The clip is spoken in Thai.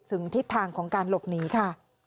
ทิศทางของการหลบหนีค่ะ